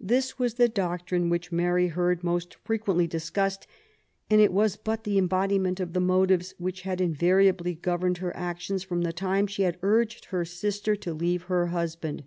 This was the doctrine which Mary heard most frequently discussed^ and it was but the embodi ment of the motives which had invariably governed her actions from the time she had urged her sister to leave her husband.